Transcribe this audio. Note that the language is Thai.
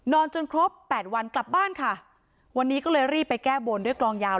จนครบแปดวันกลับบ้านค่ะวันนี้ก็เลยรีบไปแก้บนด้วยกลองยาว